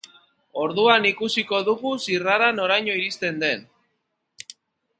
Orduan ikusiko dugu zirrara noraino iristen den.